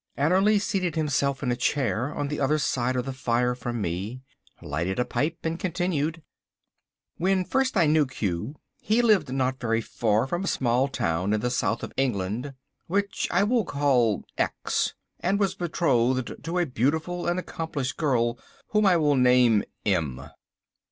Annerly seated himself in a chair on the other side of the fire from me, lighted a pipe and continued. "When first I knew Q he lived not very far from a small town in the south of England, which I will call X, and was betrothed to a beautiful and accomplished girl whom I will name M."